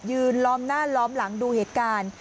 ล้อมหน้าล้อมหลังดูเหตุการณ์